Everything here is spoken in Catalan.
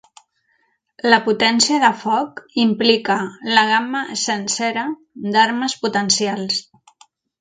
La potència de foc implica la gamma sencera d'armes potencials.